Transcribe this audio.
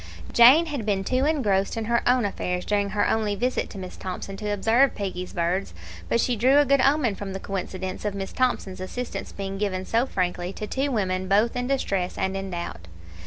Jane had been too much engrossed with her own affairs during her only visit to Miss Thomson to observe Peggy's birds, but she drew a good omen form the coincidence of Miss Thomson's assistance being given so frankly to two women both in distress and in doubt.